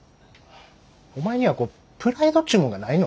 お前にはプライドっちゅうもんがないの？